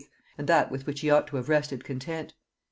and that with which he ought to have rested content.